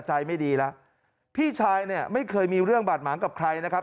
ใจไม่ดีแล้วพี่ชายเนี่ยไม่เคยมีเรื่องบาดหมางกับใครนะครับ